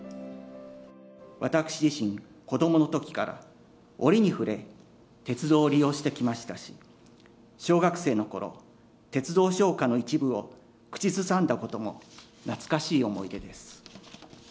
私自身、子どものときから折に触れ、鉄道を利用してきましたし、小学生のころ、鉄道唱歌の一部を口ずさんだことも、懐かしい思い出です。